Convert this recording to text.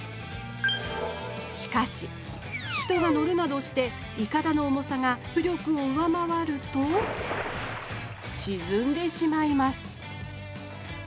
しかし人が乗るなどしていかだの重さが浮力を上回るとしずんでしまいます